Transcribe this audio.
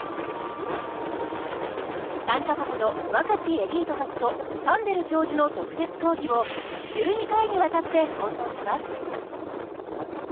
３か国の若きエリートたちとサンデル教授の特別講義を１２回にわたって放送します。